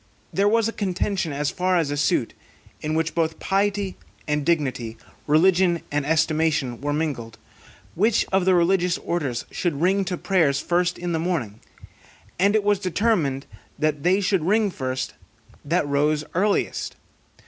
There was a contention as far as a suit (in which both piety and dignity, religion and estimation, were mingled), which of the religious orders should ring to prayers first in the morning; and it was determined, that they should ring first that rose earliest.